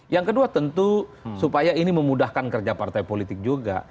yang kedua tentu supaya ini memudahkan kerja partai politik juga